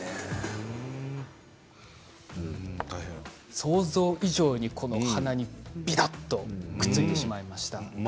想像以上に鼻にぴたっとくっついてしまいました。